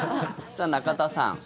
さあ、中田さん。